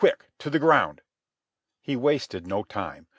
"Quick! To the ground!" He wasted no time.